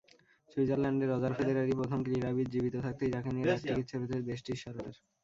সুইজারল্যান্ডে রজার ফেদেরারই প্রথম ক্রীড়াবিদ জীবিত থাকতেই যাঁকে নিয়ে ডাকটিকিট ছেপেছে দেশটির সরকার।